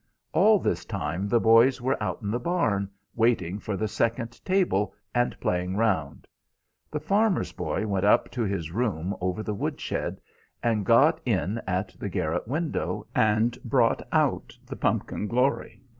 All this time the boys were out in the barn, waiting for the second table, and playing round. The farmer's boy went up to his room over the wood shed, and got in at the garret window, and brought out the pumpkin glory.